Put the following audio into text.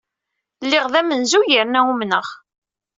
Lliɣ d amenzug yerna umneɣ.